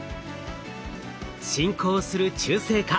進行する中性化。